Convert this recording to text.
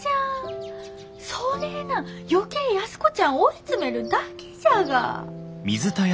そねえなん余計安子ちゃん追い詰めるだけじゃが。